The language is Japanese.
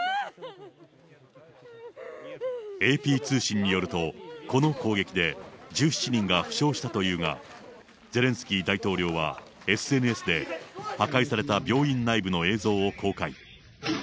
ＡＰ通信によると、この攻撃で１７人が負傷したというが、ゼレンスキー大統領はＳＮＳで、破壊された病院内部の映像を公開。